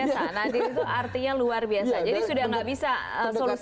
nadir itu artinya luar biasa